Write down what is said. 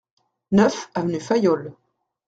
neuf avenue Fayolle